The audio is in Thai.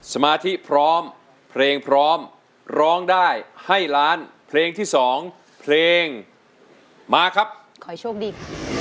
สมาธิพร้อมเพลงพร้อมร้องได้ให้ล้านเพลงที่สองเพลงมาครับขอโชคดีค่ะ